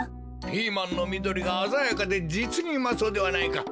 ピーマンのみどりがあざやかでじつにうまそうではないか。